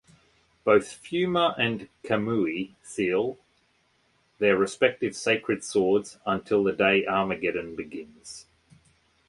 Both Fuma and Kamui seal their respective Sacred Swords until the day Armageddon begins.